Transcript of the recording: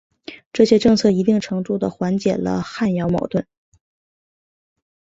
这些政策一定程度的缓解了汉瑶矛盾。